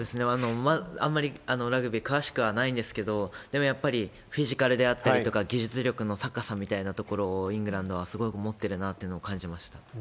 あんまりラグビー詳しくはないんですけど、でもやっぱり、フィジカルであったりとか、技術力の高さみたいなところをイングランドはすごく持ってるなっていうのを感じました。